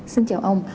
xin chào ông